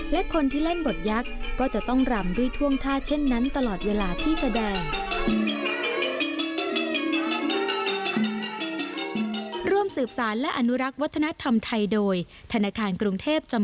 และคนที่เล่นบทยักษ์ก็จะต้องรำด้วยท่วงท่าเช่นนั้นตลอดเวลาที่แสดง